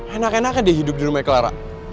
enak enakan deh hidup di rumahnya clara